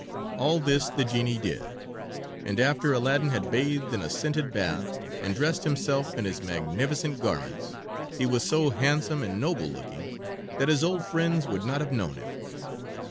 All this the genie did, and after Aladdin had bathed in a scented bath, and had dressed himself in his magnificent garments he was so handsome and noble looking that his old friends would not have known him.